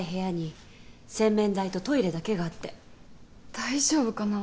大丈夫かな？